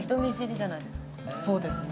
そうですね。